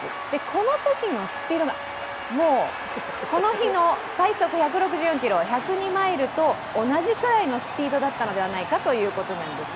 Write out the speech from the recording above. このときのスピードがこの日の最速１６４キロ、１０２マイルと同じくらいのスピードだったのではないかということなんです。